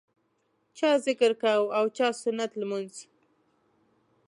چا ذکر کاوه او چا سنت لمونځ.